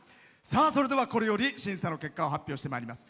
それではこれより審査の結果を発表してまいります。